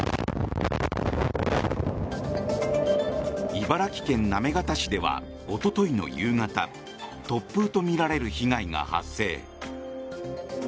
茨城県行方市ではおとといの夕方突風とみられる被害が発生。